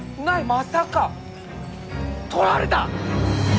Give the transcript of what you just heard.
まさか！とられた！？